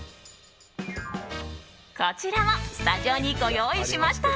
こちらもスタジオにご用意しました。